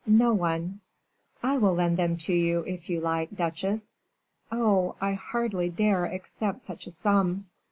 "No one." "I will lend them to you, if you like, duchesse." "Oh, I hardly dare accept such a sum."